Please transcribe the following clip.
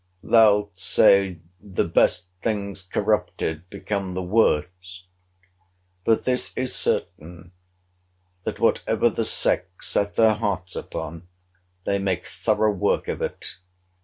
Thou'lt say, the beset things corrupted become the worst. But this is certain, that whatever the sex set their hearts upon, they make thorough work of it.